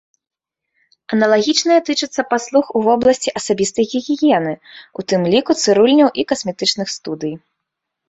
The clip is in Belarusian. Аналагічнае тычыцца паслуг у вобласці асабістай гігіены, у тым ліку цырульняў і касметычных студый.